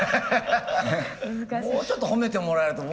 もうちょっと褒めてもらえると。